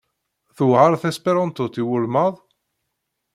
Tewɛeṛ tesperantot i welmad?